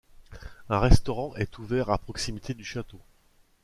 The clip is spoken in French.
Un restaurant est ouvert à proximité du château.